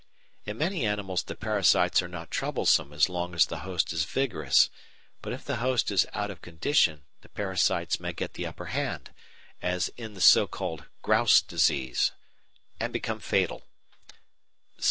In many animals the parasites are not troublesome as long as the host is vigorous, but if the host is out of condition the parasites may get the upper hand, as in the so called "grouse disease," and become fatal.